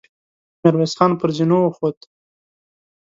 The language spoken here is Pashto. ميرويس خان پر زينو وخوت.